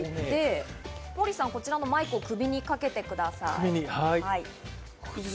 モーリーさん、こちらのマイクを首にかけてください。